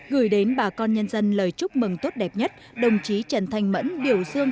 gửi đến bà con nhân dân lời chúc mừng tốt đẹp nhất đồng chí trần thanh mẫn biểu dương